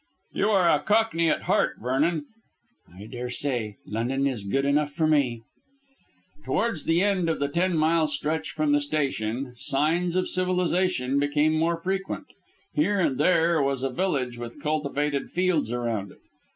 "You are a cockney at heart, Vernon." "I daresay. London is good enough for me." Towards the end of the ten mile stretch from the station signs of civilisation became more frequent. Here and there was a village with cultivated fields around it.